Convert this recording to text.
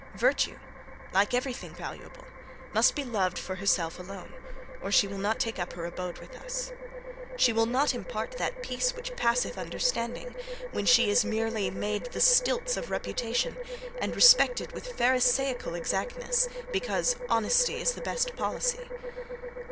Virtue, like every thing valuable, must be loved for herself alone; or she will not take up her abode with us. She will not impart that peace, "which passeth understanding," when she is merely made the stilts of reputation and respected with pharisaical exactness, because "honesty is the best policy."